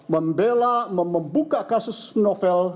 membela membuka kasus novel